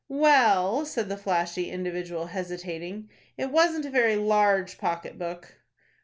"Well," said the flashy individual, hesitating, "it wasn't a very large pocket book."